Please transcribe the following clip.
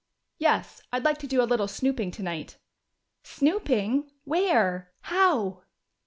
"Yes, I'd like to do a little snooping tonight." "Snooping? Where? How?"